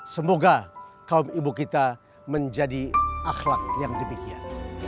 semoga kaum ibu kita menjadi akhlak yang demikian